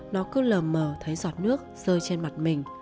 nó cứ lờ mờ thấy giọt nước rơi trên mặt mình